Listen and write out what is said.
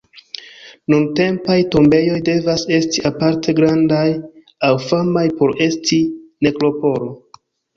Nuntempaj tombejoj devas esti aparte grandaj aŭ famaj por esti "nekropolo".